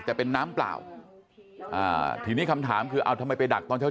จะเป็นน้ำเปล่าอ่าทีนี้คำถามคือเอาทำไมไปดักตอนเช้า